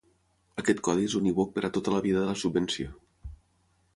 Aquest codi és unívoc per a tota la vida de la subvenció.